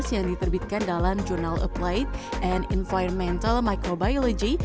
yang diterbitkan dalam jurnal applied and environmental microbiology